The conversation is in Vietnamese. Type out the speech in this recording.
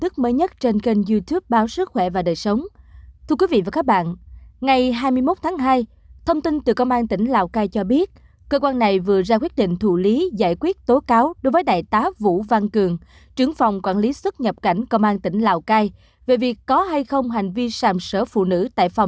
các bạn hãy đăng ký kênh để ủng hộ kênh của chúng mình nhé